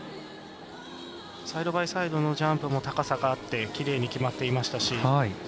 サイドバイサイドのジャンプも高さがあってきれいに決まっていましたし。